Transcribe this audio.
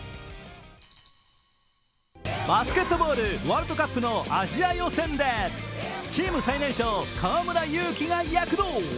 バスケットボールワールドカップのアジア予選でチーム最年少河村勇輝が躍動！